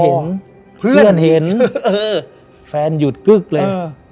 เห็นพี่เจ้นเห็นเออฟ้านหยุดกึ๊กเลยเออ